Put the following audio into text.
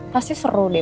pasti seru deh